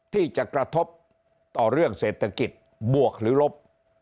ที่จะกระทบต่อเรื่องเศรษฐกิจบวกหรือลบ